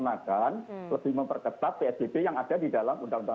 saya akan rohani kalau tidak mohon